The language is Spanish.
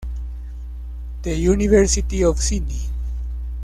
The University of Sydney.